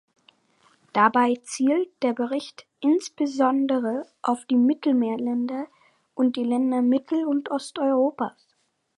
Dabei zielt der Bericht insbesondere auf die Mittelmeerländer und die Länder Mittel- und Osteuropas.